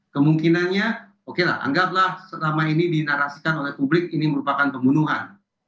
kemungkinannya oke lah anggaplah selama ini dinarasikan oleh publik ini merupakan pembunuhan